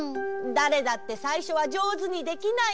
だれだってさいしょはじょうずにできないよ。